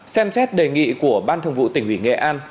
xem xét đề nghị của ban thường vụ tỉnh ủy nghệ an